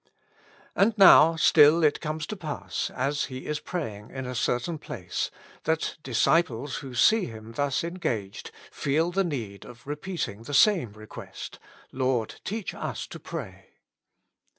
And now still it comes to pass, as He is praying in a certain place, that disciples who see Him thus engaged feel the need of repeating the same request, " Lord, teach us to pray."